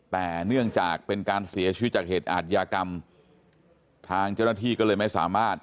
แต่เนื่องจากเป็นการเสียชีวิตจากเหตุอาทยากรรมทางเจ้าหน้าที่ก็เลยไม่สามารถ